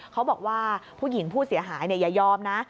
เขาบอกว่าผู้หญิงผู้เสียหายอย่ายอมนะ